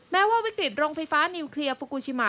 แม้ว่าวิกฤตโรงไฟฟ้านิวเคลียร์ฟูกูชิมะ